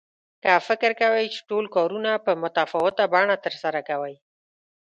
که فکر کوئ چې ټول کارونه په متفاوته بڼه ترسره کوئ.